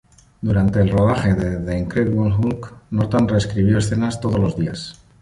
Durante el rodaje de The Incredible Hulk, Norton reescribió escenas todos los días.